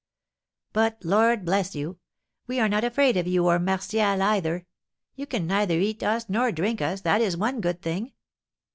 But Lord bless you! We are not afraid of you or Martial either; you can neither eat us nor drink us, that is one good thing."